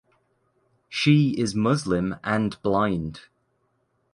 She is Muslim and blind.